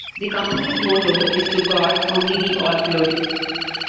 The Company's motto is "To God Only Be All Glory".